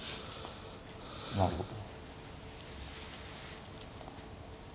なるほど。